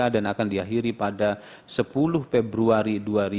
dan akan diakhiri pada sepuluh februari dua ribu dua puluh empat